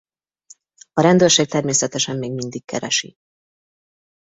A rendőrség természetesen még mindig keresi.